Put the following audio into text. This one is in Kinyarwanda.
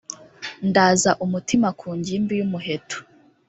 ndaza umutima ku ngimbi yumuheto